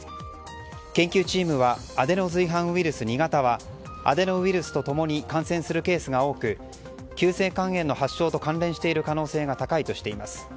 研究チームはアデノ随伴ウイルス２型はアデノウイルスと共に感染するケースが多く急性肝炎の発症と関連している可能性が高いとしています。